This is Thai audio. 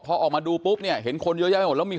พอออกมาดูปุ๊บเนี่ยเห็นคนยั่วเป็นหมด